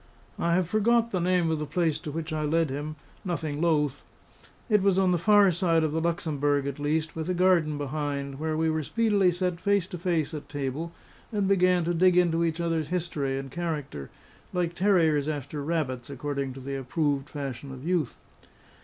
I have forgot the name of the place to which I led him, nothing loath; it was on the far side of the Luxembourg at least, with a garden behind, where we were speedily set face to face at table, and began to dig into each other's history and character, like terriers after rabbits, according to the approved fashion of youth.